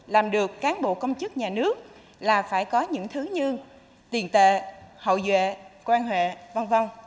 làm được cán bộ công chức nhà nước là phải có những thứ như tiền tệ hậu vệ quan hệ v v